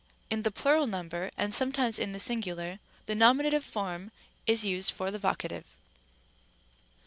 In the plural number, and sometimes in the singular, the nominative form is used for the vocative.